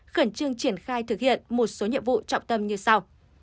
khẩn trương triển khai thực hiện một số nhiệm vụ trọng tâm như sau